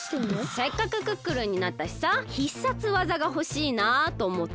せっかくクックルンになったしさ必殺技がほしいなあとおもって。